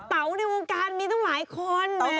เต๋าในวงการมีตั้งหลายคน